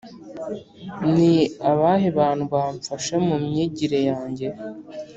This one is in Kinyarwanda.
ni abahe bantu bamfasha mu myigire yange?